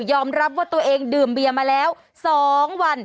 อมรับว่าตัวเองดื่มเบียมาแล้ว๒วัน